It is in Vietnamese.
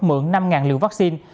mượn năm liều vaccine